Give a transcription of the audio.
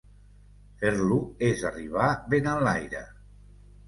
Fer-lo és arribar ben enlaire.